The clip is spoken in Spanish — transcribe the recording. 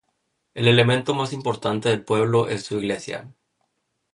El elemento más importante del pueblo es su iglesia.